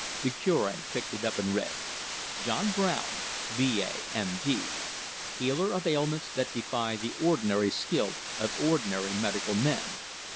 The Cure picked it up and read: JOHN BROWN, B.A., M.D., Healer of Ailments that Defy the Ordinary Skill of Ordinary Medical Men.